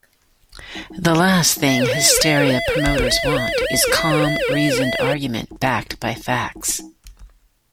"The last thing hysteria promoters want is calm, reasoned argument backed by facts.